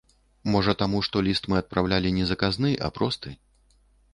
Можа таму, што ліст мы адпраўлялі не заказны, а просты.